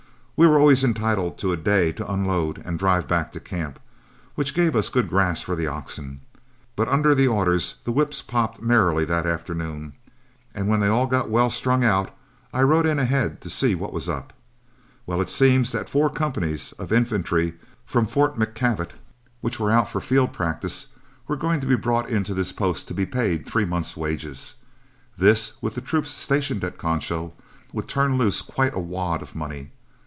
We were always entitled to a day to unload and drive back to camp, which gave us good grass for the oxen, but under the orders the whips popped merrily that afternoon, and when they all got well strung out, I rode in ahead, to see what was up. Well, it seems that four companies of infantry from Fort McKavett, which were out for field practice, were going to be brought into this post to be paid three months' wages. This, with the troops stationed at Concho, would turn loose quite a wad of money.